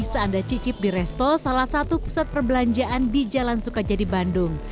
masih sedang menggunakan jenenya atau salah satu pusat perbelanjaan di jalan sukajadi bandung